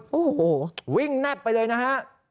โอ้โหวิ่งแนบไปเลยนะฮะ